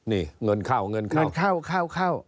นี่เงินเข้าเงินเข้าเงินเข้าเข้าเข้า